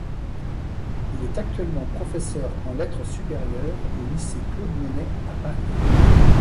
Il est actuellement professeur en Lettres Supérieures au lycée Claude-Monet à Paris.